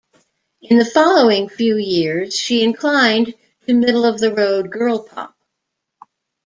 In the following few years, she inclined to middle-of-the-road girl pop.